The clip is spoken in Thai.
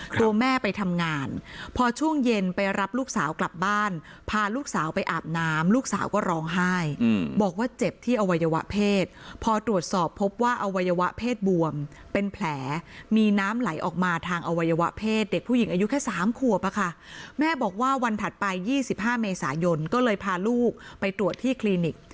ตัวแม่ไปทำงานพอช่วงเย็นไปรับลูกสาวกลับบ้านพาลูกสาวไปอาบน้ำลูกสาวก็ร้องไห้บอกว่าเจ็บที่อวัยวะเพศพอตรวจสอบพบว่าอวัยวะเพศบวมเป็นแผลมีน้ำไหลออกมาทางอวัยวะเพศเด็กผู้หญิงอายุแค่๓ขวบอะค่ะแม่บอกว่าวันถัดไป๒๕เมษายนก็เลยพาลูกไปตรวจที่คลินิก